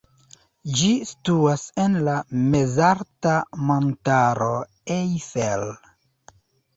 Ĝi situas en la mezalta montaro Eifel.